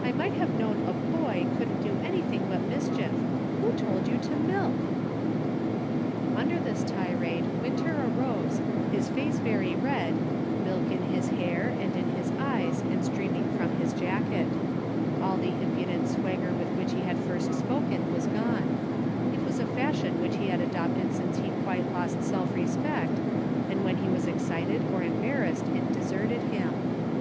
I might have known a boy couldn't do anything but mischief. Who told you to milk }" Under this tirade Winter arose, his face very red, milk in his hair, and in his eyes, and stream ing from his jacket. All the impudent swagger SOME HALF WAY THINKING. 6$ with which he had first spoken was gone. It was a fashion which he had adopted since he quite lost self respect, and when he was excited or embar rassed it deserted him.